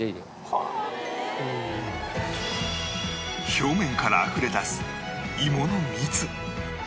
表面からあふれ出す芋の蜜